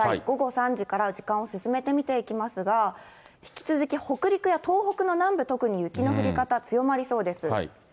午後３時から時間を進めて見ていきますが、引き続き北陸や東北の南部、特に雪の降り方、強まりそうです。